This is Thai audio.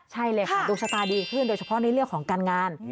ใช่เลยค่ะดวงชะตาดีขึ้นโดยเฉพาะในเรื่องของการงาน